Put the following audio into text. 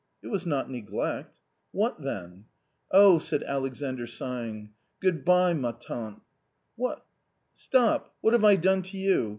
" It was not neglect" "What then!" u Oh !" said Alexandr sighing. " Good bye, ma tante? " Stop ! what have I done to you